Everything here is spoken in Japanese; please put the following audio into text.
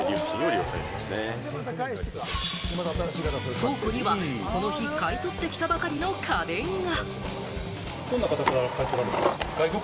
倉庫には、この日買い取ってきたばかりの家電が。